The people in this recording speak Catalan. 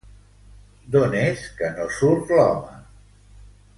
D'on és que no surt l'home?